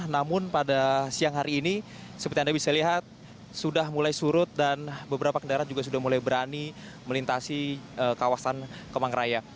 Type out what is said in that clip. namun pada siang hari ini seperti anda bisa lihat sudah mulai surut dan beberapa kendaraan juga sudah mulai berani melintasi kawasan kemang raya